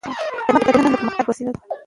خدمت د ټولنې د پرمختګ وسیله ده.